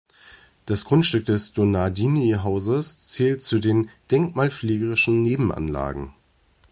Das Grundstück des Donadini-Hauses zählt zu den "denkmalpflegerischen Nebenanlagen".